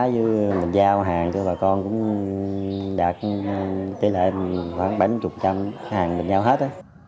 chứ mình giao hàng cho bà con cũng đạt tỷ lệ khoảng bảy mươi trăm hàng mình giao hết